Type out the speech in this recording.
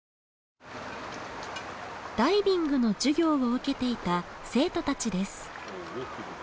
ダイビングの授業を受けていた生徒たちです。